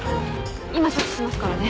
今処置しますからね。